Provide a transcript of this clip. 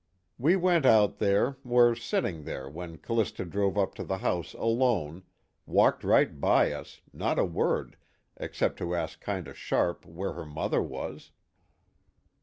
We went out there, were setting there when C'lista drove up to the house alone, walked right by us, not a word except to ask kind of sharp where her mother was.